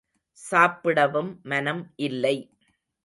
சாப்பிடவும் மனம் இல்லை.